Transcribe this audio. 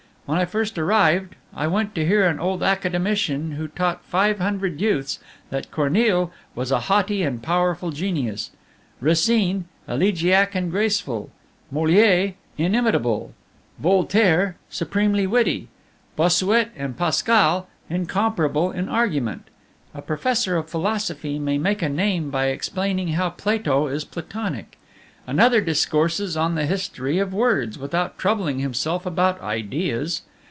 When I first arrived, I went to hear an old Academician who taught five hundred youths that Corneille was a haughty and powerful genius; Racine, elegiac and graceful; Moliere, inimitable; Voltaire, supremely witty; Bossuet and Pascal, incomparable in argument. A professor of philosophy may make a name by explaining how Plato is Platonic. Another discourses on the history of words, without troubling himself about ideas.